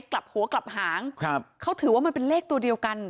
เขาถือว่ากลับหางเขาถือว่ามันเป็นเลขตัวเดียวกัน